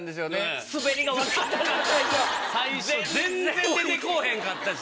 最初全然出て来ぉへんかったし。